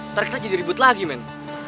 ntar kita jadi ribut lagi men